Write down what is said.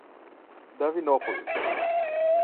Davinópolis